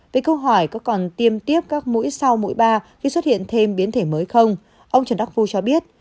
với câu hỏi có còn tiêm tiếp các mũi sau mũi ba khi xuất hiện thêm biến thể mới không ông trần đắc phu cho biết